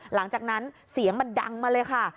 หลังจากนั้นเสียงมันดังมาเลยค่ะ